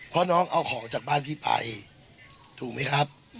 เพราะน้องเอาของจากบ้านพี่ไปถูกไหมครับ